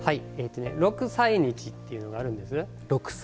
六斎日というのがあるんです。